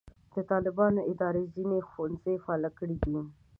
د طالبانو اداره ځینې ښوونځي فعاله کړي دي.